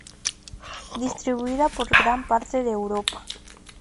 Distribuida por gran parte de Europa.